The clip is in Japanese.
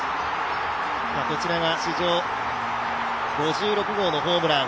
こちらが史上５６号のホームラン。